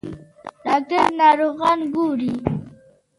ډاکټر ناروغان ګوري.